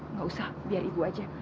nggak usah biar ibu aja